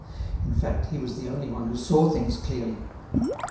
In fact, he was the only one who saw things clearly.